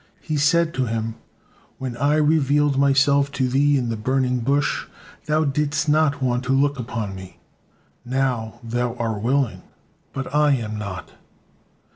He said to him: "When I revealed Myself to thee in the burning bush, thou didst not want to look upon Me; now thou are willing, but I am not."